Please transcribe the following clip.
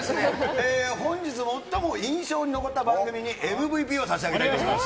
本日最も印象に残った番組にＭＶＰを差し上げたいと思います。